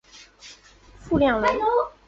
傅亮人。